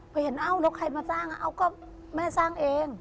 พอเห็นเอ้าแล้วใครมาสร้างเอ้าก็แม่สร้างเอง